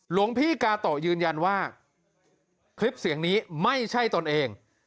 หลวงพี่กาโตะยืนยันว่าคลิปเสียงนี้ไม่ใช่ตนเอง